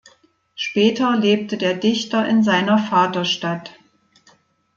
Später lebte der Dichter in seiner Vaterstadt.